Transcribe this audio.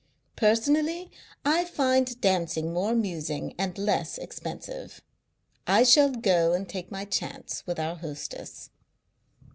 "Personally, I find dancing more amusing and less expensive. I shall go and take my chance with our hostess."